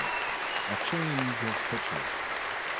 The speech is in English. A CHANGE OF PITCHERS.